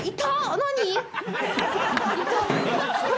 何？